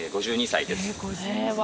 ５２歳です。